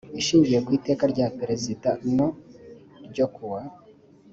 ashingiye ku iteka rya perezida no… ryo kuwa